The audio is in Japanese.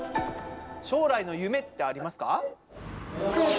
将来の夢ってありますか？